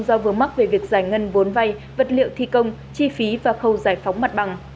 do vướng mắc về việc giải ngân vốn vay vật liệu thi công chi phí và khâu giải phóng mặt bằng